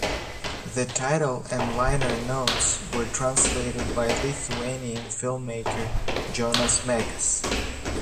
The title and liner notes were translated by Lithuanian filmmaker Jonas Mekas.